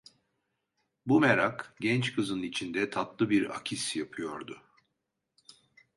Bu merak genç kızın içinde tatlı bir akis yapıyordu.